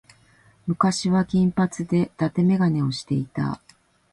昔は金髪で伊達眼鏡をしていた。